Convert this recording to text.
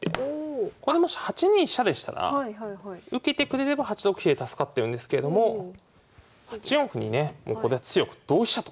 ここでもし８二飛車でしたら受けてくれれば８六飛で助かってるんですけれども８四歩にね強く同飛車と。